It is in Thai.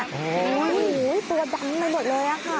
โอ้โฮตัวดังในหมดแล้วค่ะ